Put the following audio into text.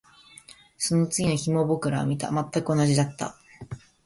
その次の日も僕らは見た。全く同じだった。